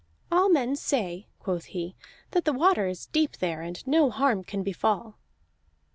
"All men say," quoth he, "that the water is deep there, and no harm can befall."